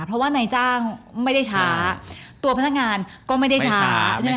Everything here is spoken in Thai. เพราะว่าในจ้างไม่ได้ช้าตัวพนักงานก็ไม่ได้ช้า